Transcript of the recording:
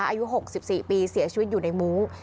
อายุ๖๔ปีเสียชีวิตอยู่ในมุ้ง